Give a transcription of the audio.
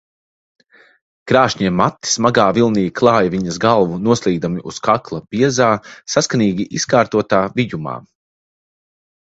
Krāšņie mati smagā vilnī klāja viņas galvu, noslīgdami uz kakla biezā, saskanīgi izkārtotā vijumā.